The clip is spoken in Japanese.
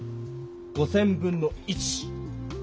５，０００分の１。